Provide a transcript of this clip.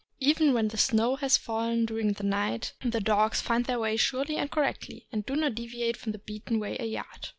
Even when the snow has fallen during the night, the dogs find their way surely and correctly, and do not deviate from the beaten way a yard.